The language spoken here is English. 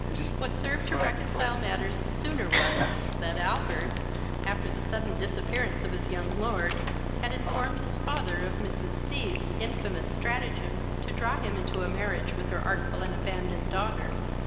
What served to reconcile matters the sooner was, that Albert, after the sudden disappearance of his young lord, had informed his father of Mrs. C 's infamous stratagem to draw him into a marriage with her artful and abandoned daughter.